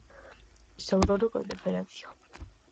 Saudouno con deferencia.